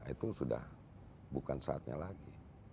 itu sudah bukan saatnya lagi